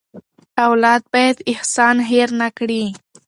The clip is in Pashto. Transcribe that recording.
اولاد باید احسان هېر نه کړي.